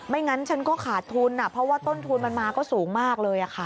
งั้นฉันก็ขาดทุนเพราะว่าต้นทุนมันมาก็สูงมากเลยค่ะ